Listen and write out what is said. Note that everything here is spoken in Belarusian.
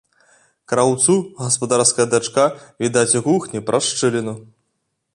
Краўцу гаспадарская дачка відаць у кухні праз шчыліну.